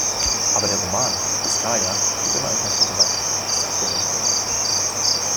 Aber der Roman "Biskaya" geht immer ein paar Schritte weiter, ist abgerundeter.